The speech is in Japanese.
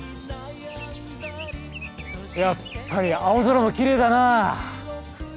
やっぱり青空もきれいだなぁ。